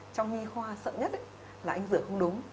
trong nghi khoa sợ nhất là anh rửa không đúng